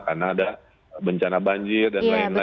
karena ada bencana banjir dan lain lain